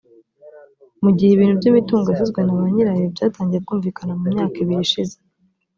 Mu gihe ibintu by’imitungo yasizwe na ba nyirayo byatangiye kumvikana mu myaka ibiri ishize